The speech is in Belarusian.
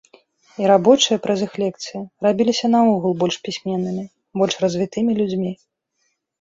І рабочыя праз іх лекцыі рабіліся наогул больш пісьменнымі, больш развітымі людзьмі.